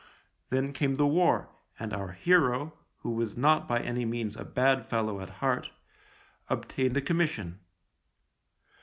Then came the war, and our hero, who was not by any means a bad fellow at heart, obtained a commission.